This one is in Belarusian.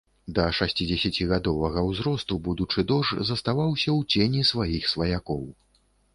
Да шасцідзесяцігадовага ўзросту будучы дож заставаўся ў цені сваіх сваякоў.